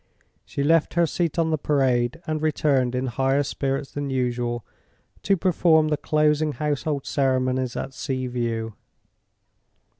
She left her seat on the Parade, and returned in higher spirits than usual, to perform the closing household ceremonies at Sea View.